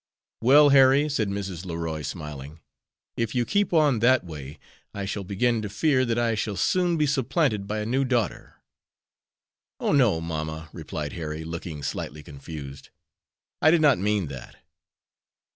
"Well, Harry," said Mrs. Leroy, smiling, "if you keep on that way I shall begin to fear that I shall soon be supplanted by a new daughter." "Oh, no, mamma," replied Harry, looking slightly confused, "I did not mean that."